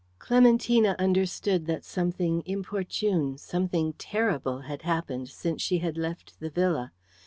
Clementina understood that something inopportune, something terrible, had happened since she had left the villa.